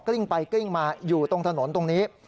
ลิ้งไปกลิ้งมาอยู่ตรงถนนตรงนี้